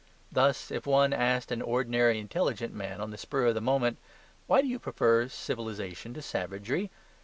Thus, if one asked an ordinary intelligent man, on the spur of the moment, "Why do you prefer civilization to savagery?"